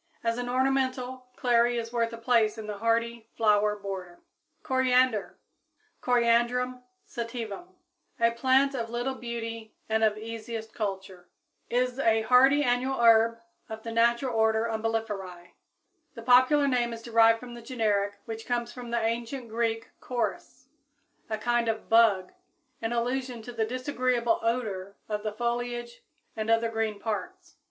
As an ornamental, clary is worth a place in the hardy flower border. [Illustration: Coriander, for Old Fashioned Candies] =Coriander= (Coriandrum sativum, Linn.), "a plant of little beauty and of easiest culture," is a hardy annual herb of the natural order Umbelliferæ. The popular name is derived from the generic, which comes from the ancient Greek Koris, a kind of bug, in allusion to the disagreeable odor of the foliage and other green parts.